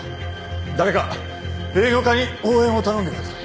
誰か営業課に応援を頼んでください。